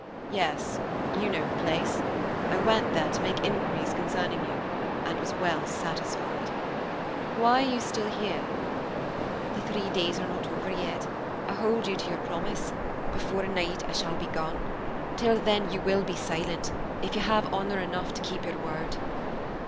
"Yes; you know the place. I went there to make inquiries concerning you and was well satisfied. Why are you still here?" "The three days are not over yet. I hold you to your promise. Before night I shall be gone; till then you will be silent, if you have honor enough to keep your word."